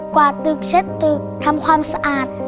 วาดตึกเช็ดตึกทำความสะอาด